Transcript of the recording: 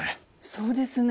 そうですね。